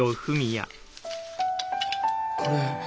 これ。